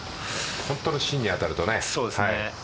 本当の芯に当たるとね。